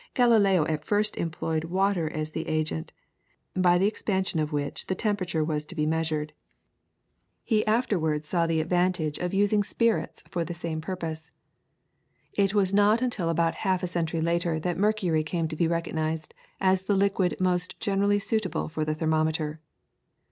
Galileo at first employed water as the agent, by the expansion of which the temperature was to be measured. He afterwards saw the advantage of using spirits for the same purpose. It was not until about half a century later that mercury came to be recognised as the liquid most generally suitable for the thermometer.